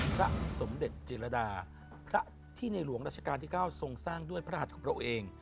พระสมเด็จจิรดาพระที่ในหลวงราชการที่๙ทรงสร้างด้วยพระหัสของพระองค์เอง